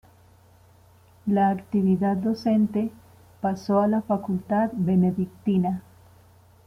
La actividad docente pasó a la facultad benedictina.